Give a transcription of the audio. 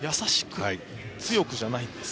強くじゃないんですね。